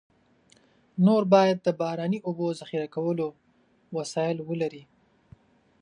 نور باید د باراني اوبو ذخیره کولو وسایل ولري.